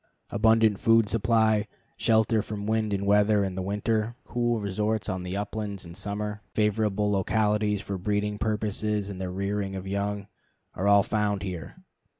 Abundant food supply, shelter from wind and weather in winter, cool resorts on the uplands in summer, favorable localities for breeding purposes and the rearing of young, all are found here.